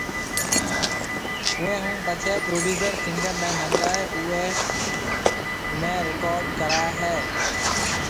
اوئي ھونپڇي پروڊيوسر سنگر ني منگائي اوئي رڪارڊنگ ڪرائي ھيَََ